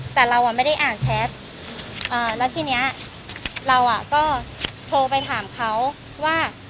แต่เราอ่ะไม่ได้อ่านแชทแล้วทีเนี้ยเราอ่ะก็โทรไปถามเขาว่า